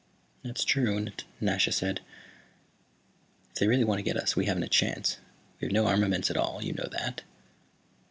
"That's true," Nasha said. "If they really want to get us we haven't a chance. We have no armaments at all; you know that."